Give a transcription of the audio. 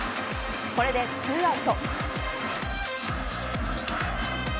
これで２アウト。